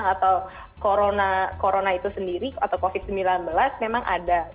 atau corona itu sendiri atau covid sembilan belas memang ada